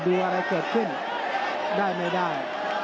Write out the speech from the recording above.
อะไรเกิดขึ้นได้ไม่ได้